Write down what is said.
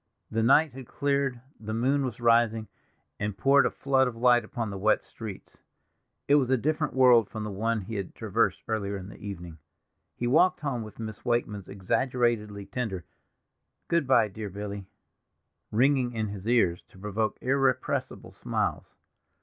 The night had cleared, the moon was rising, and poured a flood of light upon the wet streets. It was a different world from the one he had traversed earlier in the evening. He walked home with Miss Wakeman's exaggeratedly tender "Good by, dear Billy!" ringing in his ears, to provoke irrepressible smiles.